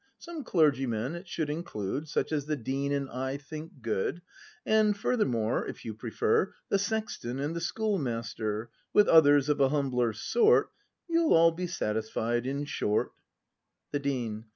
Some clergymen it should include Such as the Dean and I think good, — And furthermore, if you prefer, The Sexton and the Schoolmaster, With others of a humbler sort, — You'll all be satisfied, in short. The Dean.